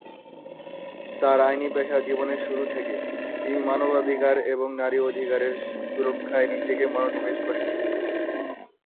তার আইনি পেশা জীবনের শুরু থেকে, তিনি মানবাধিকার এবং নারীর অধিকারের সুরক্ষায় নিজেকে মনোনিবেশ করেছেন।